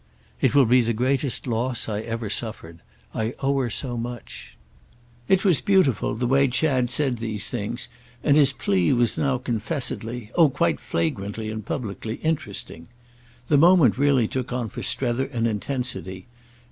"It will be the greatest loss I ever suffered. I owe her so much." It was beautiful, the way Chad said these things, and his plea was now confessedly—oh quite flagrantly and publicly—interesting. The moment really took on for Strether an intensity.